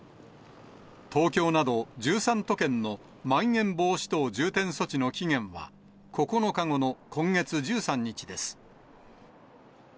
東京など１３都県のまん延防止等重点措置の期限は、９日後の今月１３日です。